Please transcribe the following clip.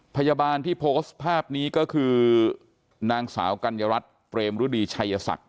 พยาบาลที่โพสต์ภาพนี้ก็คือนางสาวกัญญารัฐเปรมรุดีชัยศักดิ